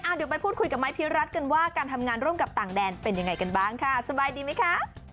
เดี๋ยวไปพูดคุยกับไม้พี่รัฐกันว่าการทำงานร่วมกับต่างแดนเป็นยังไงกันบ้างค่ะสบายดีไหมคะ